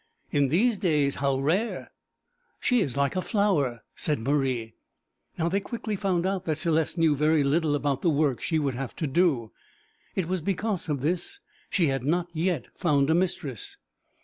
In these days how rare!' 'She is like a flower,' said Marie. Now, they quickly found out that Céleste knew very little about the work she would have to do; it was because of this she had not yet found a mistress.